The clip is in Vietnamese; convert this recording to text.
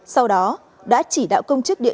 sau đó đã chỉ đạo công chức địa